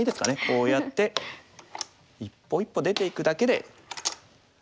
こうやって一歩一歩出ていくだけで。